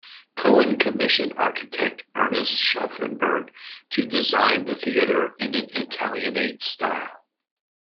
Cowen commissioned architect Ernest Schaufelberg to design the theatre in an Italianate style.